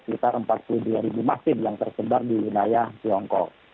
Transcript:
sekitar empat puluh dua ribu masjid yang tersebar di wilayah tiongkok